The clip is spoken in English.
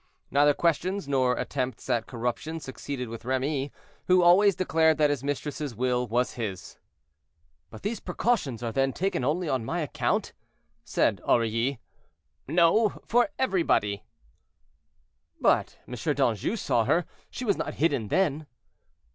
Neither questions, nor attempts at corruption, succeeded with Remy, who always declared that his mistress's will was his. "But these precautions are, then, taken only on my account?" said Aurilly. "No, for everybody." "But M. d'Anjou saw her; she was not hidden then."